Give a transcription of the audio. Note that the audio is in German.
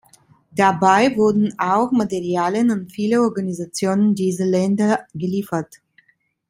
Dabei wurden auch Materialien an viele Organisationen dieser Länder geliefert.